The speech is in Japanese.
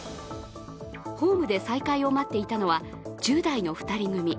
ホームで再開を待っていたのは１０代の２人組。